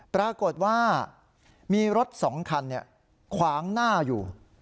ปรากฏว่ามีรถ๒คันขวางหน้าอยู่